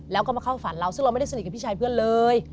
แล้วก็มาเข้าฝันเราซึ่งเราไม่ได้สนิทกับพี่ชายเพื่อนเลย